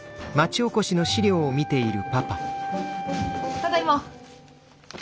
ただいま。